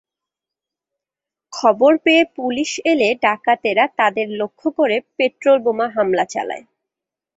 খবর পেয়ে পুলিশ এলে ডাকাতেরা তাদের লক্ষ্য করে পেট্রলবোমা হামলা চালায়।